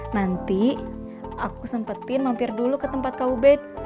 nanti aku sempetin mampir dulu ke tempat kub